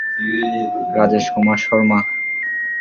Rajesh Kumar Sharma.